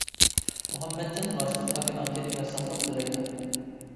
مۇھەممەتجان راشىدىن ئاكىنىڭ تېنىگە ساقلىق تىلەيمەن.